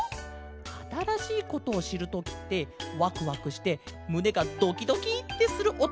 あたらしいことをしるときってワクワクしてむねがドキドキってするおとがきこえるケロ。